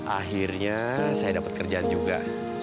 akhirnya saya dapat kerjaan juga